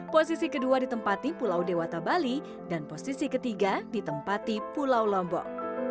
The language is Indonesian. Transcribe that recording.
posisi kedua ditempati pulau dewata bali dan posisi ketiga ditempati pulau lombok